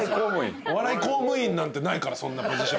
お笑い公務員なんてないからそんなポジション。